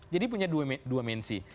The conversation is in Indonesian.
jadi punya dua dimensi